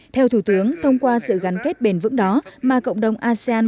theo thủ tướng thông qua sự gắn kết bền vững đó mà cộng đồng asean